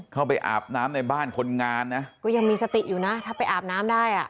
อาบน้ำในบ้านคนงานนะก็ยังมีสติอยู่นะถ้าไปอาบน้ำได้อ่ะ